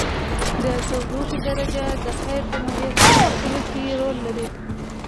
د تودوخې درجه د قیر د نوعیت په ټاکلو کې رول لري